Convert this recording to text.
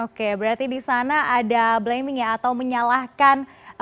oke berarti di sana ada menyalahkan